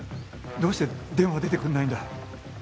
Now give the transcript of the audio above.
どうして電話出てくれないんだ。